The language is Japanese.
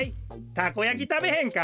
たこやきたべへんか？